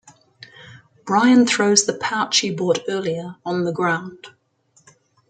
Brian throws the pouch he bought earlier on the ground.